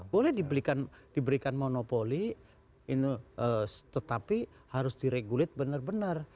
boleh diberikan monopoli tetapi harus diregulit benar benar